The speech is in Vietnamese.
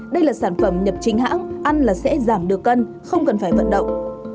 đây là sản phẩm nhập chính hãng ăn là sẽ giảm được cân không cần phải vận động